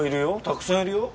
たくさんいるよ。